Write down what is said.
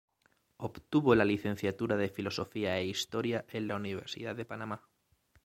Obtuvo la licenciatura de filosofía e historia en la Universidad de Panamá.